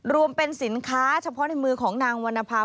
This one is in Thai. รวมเป็นสินค้าเฉพาะในมือของนางวรรณภาพ